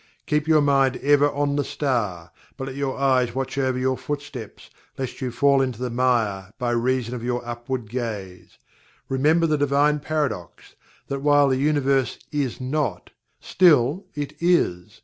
Keep your mind ever on the Star, but let your eyes watch over your footsteps, lest you fall into the mire by reason of your upward gaze. Remember the Divine Paradox, that while the Universe IS NOT, still IT IS.